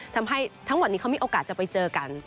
ทั้งหมดนี้เขามีโอกาสจะไปเจอกัน